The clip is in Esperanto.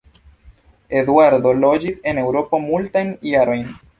Eduardo loĝis en Eŭropo multajn jarojn.